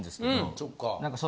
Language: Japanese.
そっか。